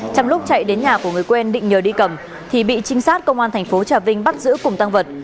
trong lúc chạy đến nhà của người quen định nhờ đi cầm thì bị trinh sát công an thành phố trà vinh bắt giữ cùng tăng vật